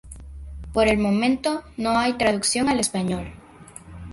Por el momento no hay traducción al español.